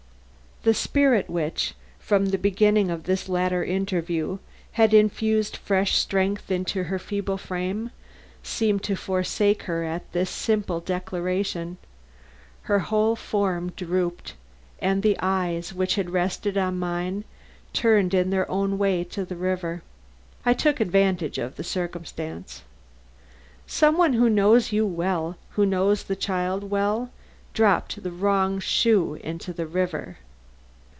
The spirit which, from the beginning of this later interview, had infused fresh strength into her feeble frame, seemed to forsake her at this simple declaration; her whole form drooped, and the eyes, which had rested on mine, turned in their old way to the river. I took advantage of this circumstance. "Some one who knows you well, who knows the child well, dropped the wrong shoe into the river."